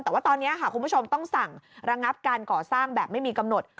แต่ว่าตอนนี้ค่ะคุณผู้ชมต้องสั่งระงับการก่อสร้างแบบไม่มีกำหนด